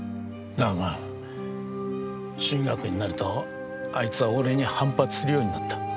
だが中学になるとあいつは俺に反発するようになった。